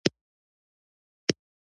صنعتي تولید د رکود په حالت کې وي